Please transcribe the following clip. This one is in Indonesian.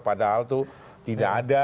padahal tuh tidak ada